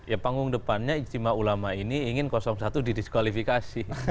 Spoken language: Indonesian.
ya panggung depannya ijtima ulama ini ingin satu didiskualifikasi